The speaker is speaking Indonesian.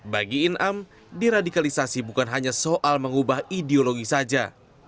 bagi inam diradikalisasi bukan hanya soal mengubah ideologi saja